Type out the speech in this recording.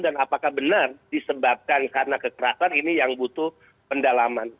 dan apakah benar disebabkan karena kekerasan ini yang butuh pendalaman